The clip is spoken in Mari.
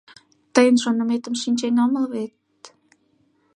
Тыйын шоныметым шинчен омыл вет...